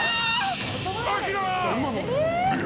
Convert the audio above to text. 明！